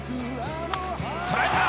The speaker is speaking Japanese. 捉えた！